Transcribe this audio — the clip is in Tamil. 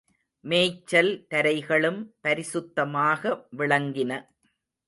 மேய்ச்சல் தரைகளும் பரிசுத்தமாக விளங்கின.